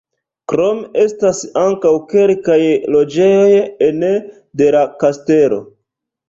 Krome estas ankaŭ kelkaj loĝejoj ene de la kastelo.